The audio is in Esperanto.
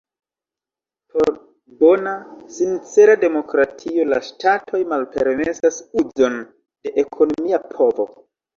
Por bona, sincera demokratio la ŝtatoj malpermesas uzon de ekonomia povo.